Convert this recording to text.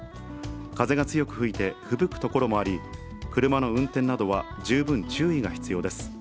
風が強く吹いて、ふぶく所もあり、車の運転などは十分注意が必要です。